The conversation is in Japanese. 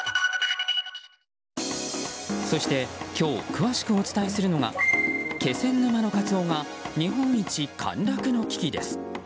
そして、今日詳しくお伝えするのが気仙沼のカツオが日本一陥落の危機です。